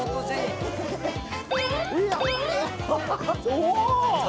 お！」